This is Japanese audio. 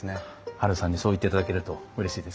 ハルさんにそう言っていただけるとうれしいです。